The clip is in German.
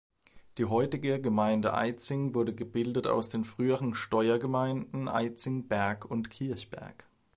Die heutige Gemeinde Eitzing wurde gebildet aus den früheren Steuergemeinden Eitzing, Berg und Kirchberg.